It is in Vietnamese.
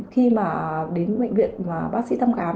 khi mà đến bệnh viện và bác sĩ thăm khám